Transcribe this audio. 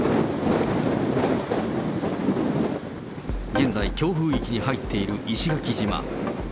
現在、強風域に入っている石垣島。